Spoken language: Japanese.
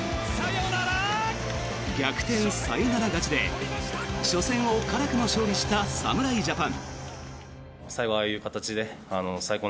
逆転サヨナラ勝ちで、初戦を辛くも勝利した侍ジャパン。